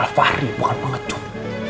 aldebaran al fahri bukan pengecut